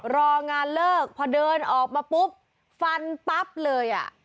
รองานเลิกพอเดินออกมาปุ๊บฟันปั๊บเลยอ่ะ